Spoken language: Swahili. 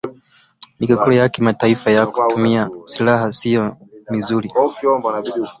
migogoro ya kimataifa ya kutumia silaha siyo mizuri